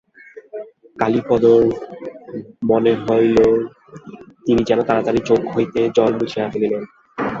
কালীপদর মনে হইল, তিনি যেন তাড়াতাড়ি চোখ হইতে জল মুছিয়া ফেলিলেন।